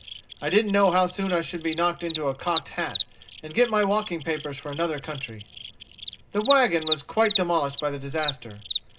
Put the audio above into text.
I didn't know how soon I should be knocked into a cocked hat, and get my walking papers for another country." The wagon was quite demolished by the disaster.